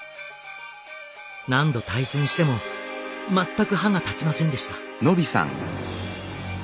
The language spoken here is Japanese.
何度対戦しても全く歯が立ちませんでした。